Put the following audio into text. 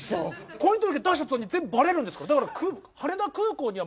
婚姻届出した途端に全部バレるんですから。